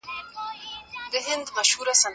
ګردسره مي دغه رکم ماهی نه وو خوړلی.